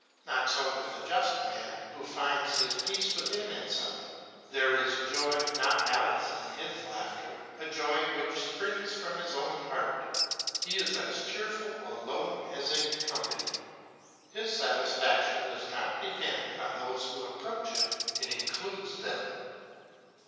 Not so the just man, who finds his peace within himself; there is joy not malice in his laughter, a joy which springs from his own heart; he is as cheerful alone as in company, his satisfaction does not depend on those who approach him; it includes them.